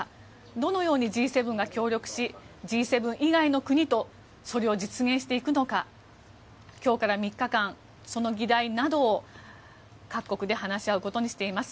どのようにＧ７が協力しＧ７以外の国とそれを実現していくのか今日から３日間その議題などを各国で話し合うことにしています。